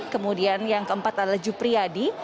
kemudian yang keempat adalah jupriyadi